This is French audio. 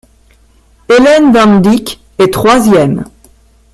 Ellen van Dijk est troisième.